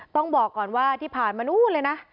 ต้องบอกก่อนว่าที่ผ่านมานู้นเลยนะ